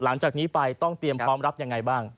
หลังจากนี้ไปต้องเตรียมพร้อมรับยังไงบ้าง